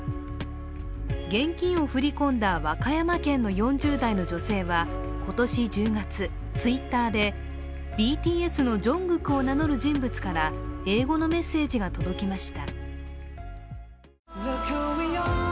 現金を振り込んだ和歌山県の４０代の女性は今年１０月、ＴｗｉｔｔｅｒでＢＴＳのＪＵＮＧＫＯＯＫを名乗る人物から英語のメッセージが届きました。